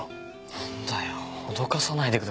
なんだよ脅かさないでくださいよ。